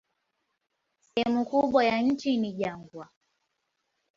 Sehemu kubwa ya nchi ni jangwa.